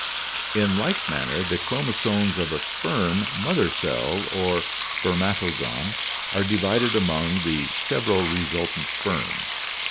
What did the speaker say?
In like manner the chromosomes of a sperm mother cell or sperma togone are divided among the several resultant sperms.